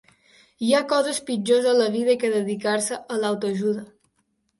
Hi ha coses pitjors a la vida que dedicar-se a l'autoajuda.